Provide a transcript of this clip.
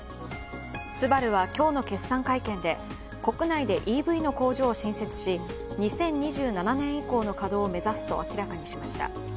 ＳＵＢＡＲＵは今日の決算会見で国内でＥＶの工場を新設し２０２７年以降の稼働を目指すと明らかにしました。